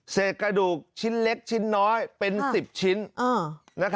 กระดูกชิ้นเล็กชิ้นน้อยเป็น๑๐ชิ้น